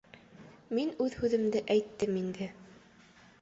Мин үҙ һүҙемде әйттем инде.